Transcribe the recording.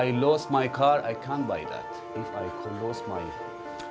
jika saya kehilangan mobil saya tidak bisa membeli itu